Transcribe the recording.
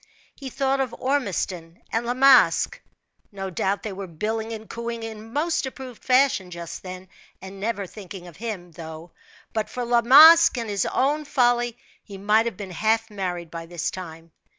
He thought of Ormiston and La Masque no doubt they were billing and cooing in most approved fashion just then, and never thinking of him; though, but for La Masque and his own folly, he might have been half married by this time.